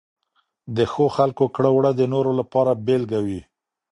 د ښه خلکو کړه وړه د نورو لپاره بېلګه وي.